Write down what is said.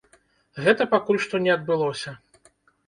Гэта пакуль што не адбылося.